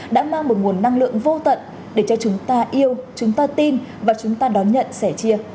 đã mang một nguồn năng lượng vô tận để cho chúng ta yêu chúng ta tin và chúng ta đón nhận sẻ chia